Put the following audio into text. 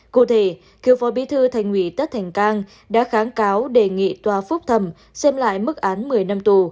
cụ thể cựu phó bí thư thành ủy tất thành cang đã kháng cáo đề nghị tòa phúc thẩm xem lại mức án một mươi năm tù